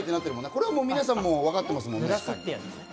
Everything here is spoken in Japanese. これ皆さん、もうわかってますもんね。